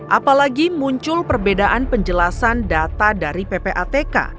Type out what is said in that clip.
apalagi muncul perbedaan penjelasan data dari ppatk